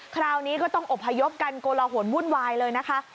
คราวนี้ก็ต้องอบพยพกันโกลหนวุ่นวายเลยนะคะ